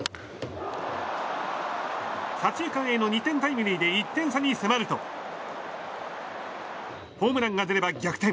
左中間への２点タイムリーで１点差に迫るとホームランが出れば逆転。